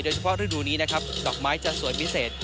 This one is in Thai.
เฉพาะฤดูนี้นะครับดอกไม้จะสวยพิเศษ